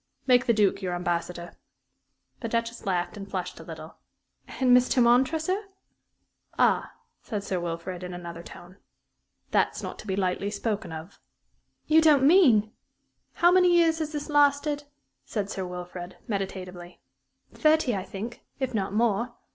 "Make the Duke your ambassador." The Duchess laughed, and flushed a little. "And Mr. Montresor?" "Ah," said Sir Wilfrid in another tone, "that's not to be lightly spoken of." "You don't mean " "How many years has that lasted?" said Sir Wilfrid, meditatively. "Thirty, I think if not more.